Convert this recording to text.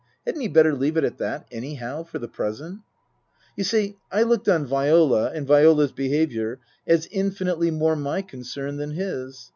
Hadn't he better leave it at that, anyhow, for the present ? You see I looked on Viola and Viola's behaviour as infinitely more my concern than his.